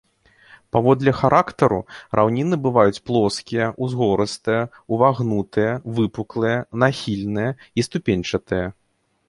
Паводле характару раўніны бываюць плоскія, узгорыстыя, увагнутыя, выпуклыя, нахільныя і ступеньчатыя.